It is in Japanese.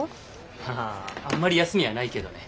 まああんまり休みはないけどね。